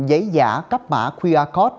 giấy giả cắp mã qr code